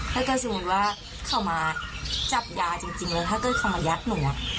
ถ้าเกิดสมมุติว่าเขามาจับยาจริงแล้วถ้าเกิดเขามายัดหนู